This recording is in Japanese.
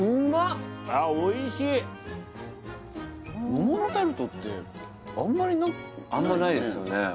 桃のタルトってあんまりあんまないですよね